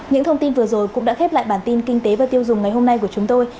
những thông tin vừa rồi cũng đã khép lại bản tin kinh tế và tiêu dùng ngày hôm nay của chúng tôi